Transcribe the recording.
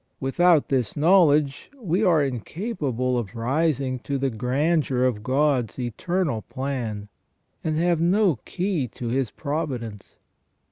Without this knowledge we are incapable of rising to the grandeur of God's eternal plan, and have no key to His providence.